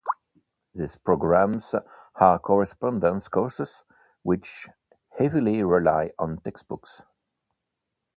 These programs are correspondence courses, which heavily rely on textbooks.